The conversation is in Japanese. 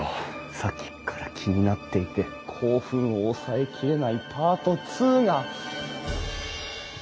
さっきっから気になっていて興奮を抑えきれないパート２が！